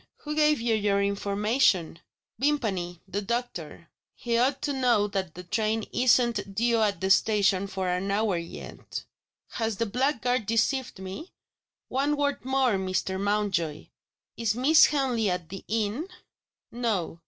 "Who gave you your information?" "Vimpany the doctor." "He ought to know that the train isn't due at the station for an hour yet." "Has the blackguard deceived me? One word more, Mr. Mountjoy. Is Miss Henley at the inn?" "No."